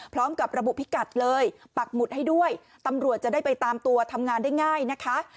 พร้อมกับระบุพิกัดเลยปักหมุดให้ด้วยตำรวจจะได้ไปตามตัวทำงานได้ง่ายนะคะ